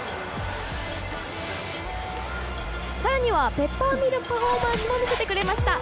更にはペッパーミルパフォーマンスも見せてくれました。